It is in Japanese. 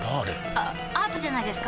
あアートじゃないですか？